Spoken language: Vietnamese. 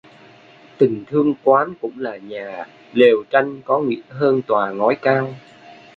Tình thương quán cũng là nhà, lều tranh có nghĩa hơn tòa ngói cao.